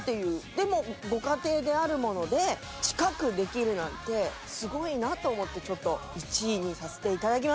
でもご家庭であるもので近くできるなんてすごいなと思ってちょっと１位にさせて頂きました。